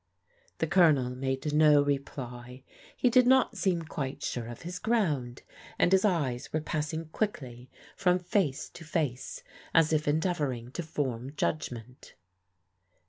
The Colonel made no reply. He did not seem quite sore of his ground, and his eyes were passing quickly from face to face as if endeavouring to form judgment.